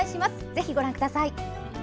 ぜひ、ご覧ください。